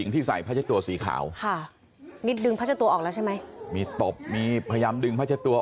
นี่เห็นมั้ยฮะ